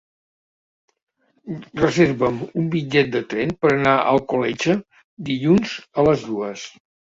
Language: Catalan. Reserva'm un bitllet de tren per anar a Alcoletge dilluns a les dues.